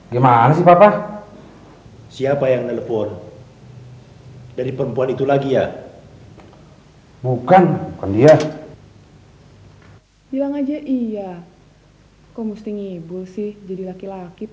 den yanti boleh kawin sama laki laki lain